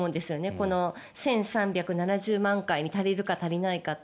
この１３７０万回足りるか、足りないかって。